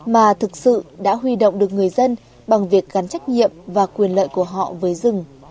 mà thực sự đã huy động được người dân bằng việc gắn trách nhiệm và quyền lợi của họ với rừng